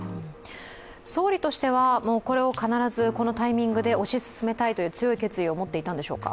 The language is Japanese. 総理としてはこれを必ずこのタイミングで推し進めたいという強い決意を持っていたんでしょうか。